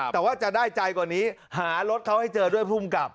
แต่ว่าจะได้ใจกว่านี้หารถเขาให้เจอด้วยภูมิกับ